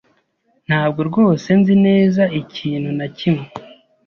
Ntabwo rwose nzi neza ikintu na kimwe.